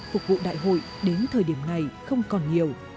phục vụ đại hội đến thời điểm này không còn nhiều